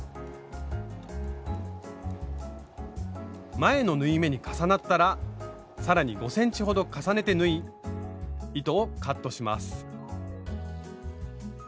前の縫い目に重なったら更に５ｃｍほど重ねて縫い糸をカットします。